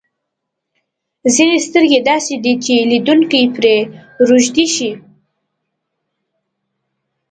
ځینې سترګې داسې دي چې لیدونکی پرې روږدی شي.